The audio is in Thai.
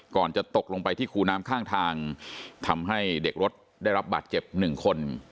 จะตกลงไปที่คูน้ำข้างทางทำให้เด็กรถได้รับบาดเจ็บหนึ่งคน